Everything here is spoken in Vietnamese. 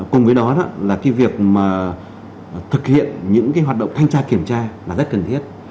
cùng với đó là khi việc thực hiện những cái hoạt động thanh tra kiểm tra là rất cần thiết